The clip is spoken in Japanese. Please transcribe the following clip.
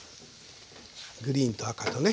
グリーンと赤とね。